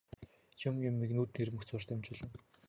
Юм юмыг нүд ирмэх зуурт амжуулна.